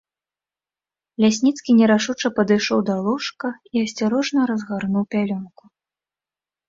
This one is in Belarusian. Лясніцкі нерашуча падышоў да ложка і асцярожна разгарнуў пялёнку.